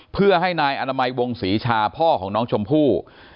เพื่อให้นายอนามัยวงศรีชาพ่อของน้องชมพู่